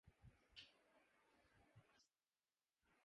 وہ اس سوال کا جواب نہیں دیتے کہ انہیں یہ حق کس نے دیا ہے۔